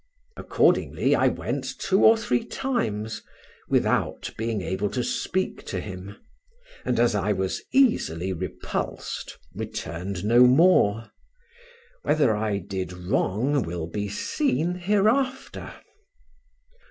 Accordingly, I went two or three times, without being able to speak to him, and as I was easily repulsed, returned no more; whether I did wrong will be seen hereafter.